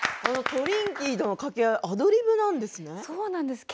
トリンキーとの掛け合いアドリブなんですね。